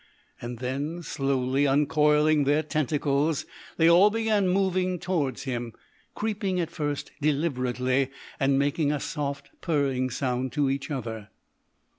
And then, slowly uncoiling their tentacles, they all began moving towards him creeping at first deliberately, and making a soft purring sound to each other.